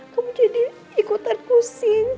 kamu jadi ikutan kusik